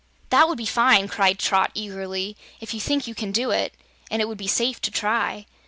"That would be fine," cried Trot eagerly, "if you think you can do it, and it would be safe to try!"